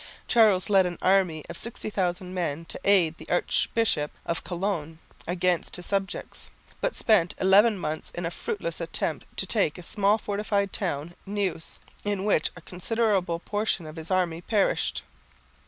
Charles led an army of 60,000 men to aid the Archbishop of Cologne against his subjects, but spent eleven months in a fruitless attempt to take a small fortified town, Neuss, in which a considerable portion of his army perished.